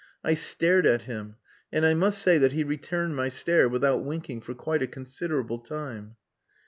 I stared at him, and I must say that he returned my stare without winking for quite a considerable time.